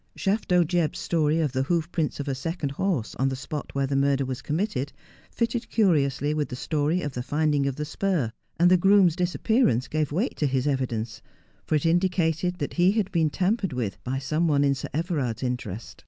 Shafto Jebb's story of the hoof prints of a second horse on the spot where the murder was committed fitted curiously with the story of the finding of the spur ; and the groom's disappearance gave weight to his evidence, for it indicated that he had been tampered with by some one in Sir Everard's interest.